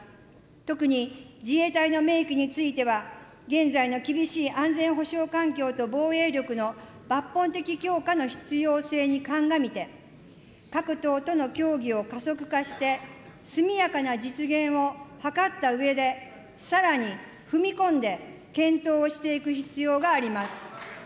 特に自衛隊の明記については、現在の厳しい安全保障環境と防衛力の抜本的強化の必要性に鑑みて、各党との協議を加速化して、速やかな実現を図ったうえで、さらに踏み込んで検討していく必要があります。